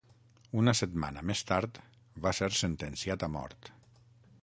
Una setmana més tard, va ser sentenciat a mort.